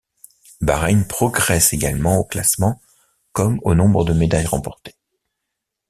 Bahreïn progresse également au classement comme au nombre de médailles remportées.